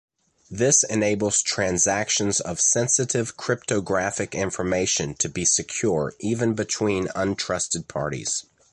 This enables transactions of sensitive cryptographic information to be secure even between untrusted parties.